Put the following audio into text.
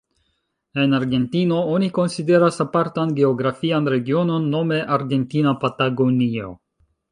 En Argentino oni konsideras apartan geografian regionon nome Argentina Patagonio.